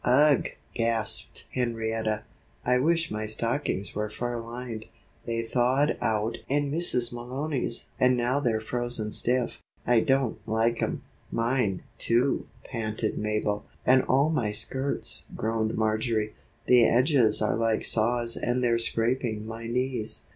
"Ugh!" gasped Henrietta, "I wish my stockings were fur lined. They thawed out in Mrs. Malony's and now they're frozen stiff. I don't like 'em." "Mine, too," panted Mabel. "And all my skirts," groaned Marjory. "The edges are like saws and they're scraping my knees."